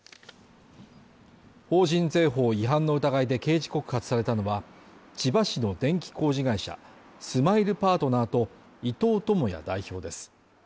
法人税法違反の疑いで刑事告発されたのは千葉市の電気工事会社スマイルパートナーと伊藤友哉代表です。